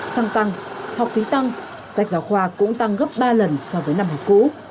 xăng tăng học phí tăng sách giáo khoa cũng tăng gấp ba lần so với năm học cũ